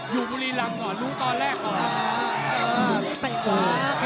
อยู่บุรีลำก่อนลุ้งตอนแรกของเขา